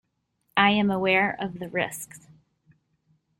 I am aware of the risks.